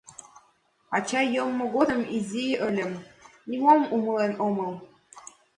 Ача йоммо годым изи ыльым, нимом умылен омыл.